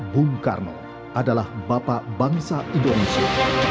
bung karno adalah bapak bangsa indonesia